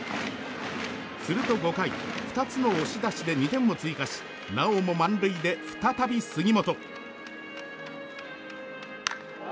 すると５回、２つの押し出しで２点を追加しなおも満塁で再び杉本。